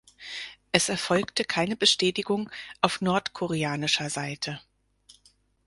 Es erfolgte keine Bestätigung auf nordkoreanischer Seite.